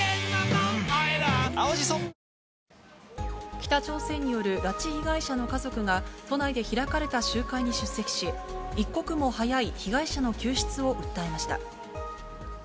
北朝鮮による拉致被害者の家族が、都内で開かれた集会に出席し、一刻も早い被害者の救出を訴えました。